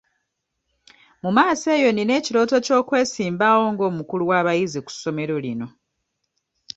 Mu maaso eyo nnina ekirooto ky'okwesimbawo nga omukulu w'abayizi ku ssomero lino.